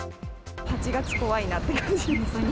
８月怖いなって感じですね。